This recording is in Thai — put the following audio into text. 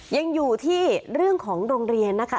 ยังอยู่ที่เรื่องของโรงเรียนนะคะ